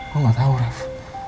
lo gak tau raff